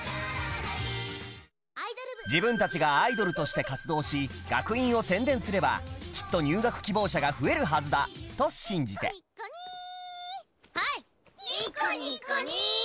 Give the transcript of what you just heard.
自分たちがアイドルとして活動し学院を宣伝すればきっと入学希望者が増えるはずだと信じてにっこにっこにー！